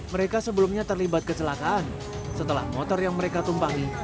mereka sebelumnya terlibat kecelakaan setelah motor yang mereka tumpangi